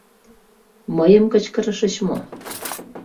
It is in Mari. — Мыйым кычкырышыч мо?